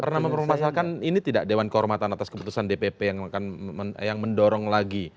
karena mempermasalkan ini tidak dewan kehormatan atas keputusan dpp yang mendorong lagi